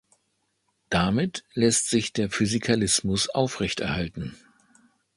Damit lässt sich der Physikalismus aufrechterhalten.